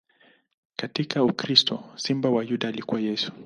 Katika ukristo, Simba wa Yuda alikuwa Yesu.